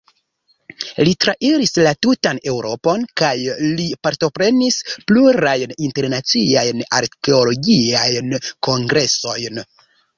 Li trairis la tutan Eŭropon kaj li partoprenis plurajn internaciajn arkeologiajn kongresojn.